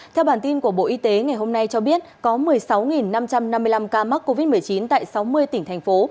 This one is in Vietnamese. theo bản tin của bộ y tế ngày hôm nay cho biết có một mươi sáu năm trăm năm mươi năm ca mắc covid một mươi chín tại sáu mươi tỉnh thành phố